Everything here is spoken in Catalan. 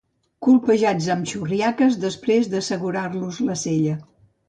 Colpejats amb les xurriaques després d'assegurar-los la sella.